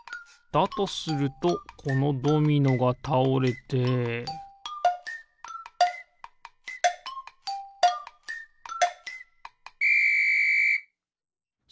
だとするとこのドミノがたおれてピッ！